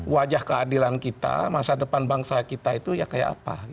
wajah keadilan kita masa depan bangsa kita itu ya kayak apa